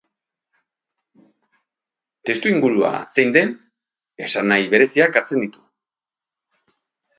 Testuingurua zein den, esanahi bereziak hartzen ditu.